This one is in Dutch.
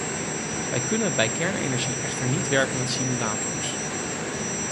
Wij kunnen bij kernenergie echter niet werken met simulators.